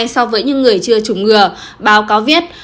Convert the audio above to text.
so với những người chưa chủng ngừa báo cáo viết